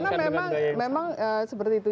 karena memang seperti itu